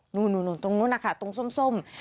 สวัสดีค่ะรุ่นก่อนเวลาเหนียวกับดาวสุภาษฎรามมาแล้วค่ะ